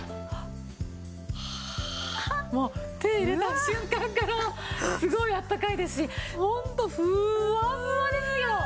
もう手を入れた瞬間からすごいあったかいですしホントふわふわですよ！